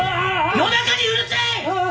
夜中にうるさいっ！